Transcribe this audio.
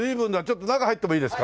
中入ってもいいですか？